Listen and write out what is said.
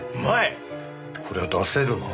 こりゃ出せるな。